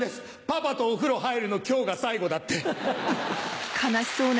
パパとお風呂入るの今日が最後だって。